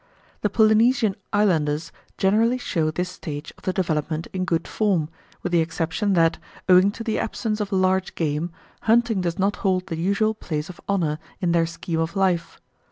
The Polynesian islanders generally show this stage of the development in good form, with the exception that, owing to the absence of large game, hunting does not hold the usual place of honour in their scheme of life.